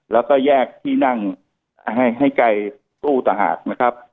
แล้วก็แยกที่นั่งให้ไกลตู้ต่างหากนะครับ